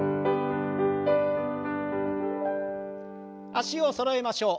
脚をそろえましょう。